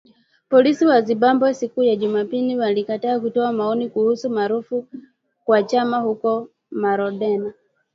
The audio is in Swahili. Polisi wa Zimbabwe siku ya Jumapili walikataa kutoa maoni kuhusu marufuku kwa chama huko Marondera